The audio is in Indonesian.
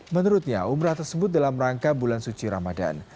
menurutnya umrah tersebut dalam rangka bulan suci ramadan